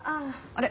あれ？